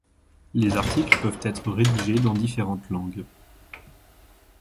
Les articles peuvent être rédigés dans différentes langues.